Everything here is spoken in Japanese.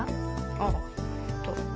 ああえっと。